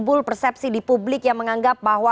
timbul persepsi di publik yang menganggap bahwa